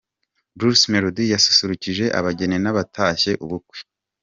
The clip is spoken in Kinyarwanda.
Bruce Melodie yasusurukije abageni n'abatashye ubu bukwe.